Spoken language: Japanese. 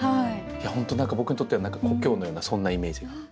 本当何か僕にとっては故郷のようなそんなイメージが。